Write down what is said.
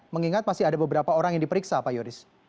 mengingat masih ada beberapa orang yang diperiksa pak yoris